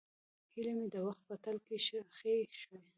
هیلې مې د وخت په تل کې ښخې شوې.